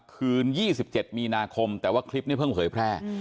คืน๒๗มีนาคมแต่ว่าคลิปนี้เพิ่งเผยแพร่